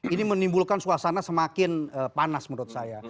ini menimbulkan suasana semakin panas menurut saya